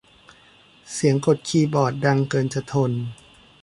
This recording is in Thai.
เสียงกดคีย์บอร์ดดังเกินจะทน